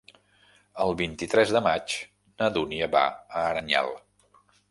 El vint-i-tres de maig na Dúnia va a Aranyel.